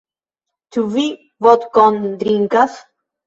Ĉu vi vodkon drinkas?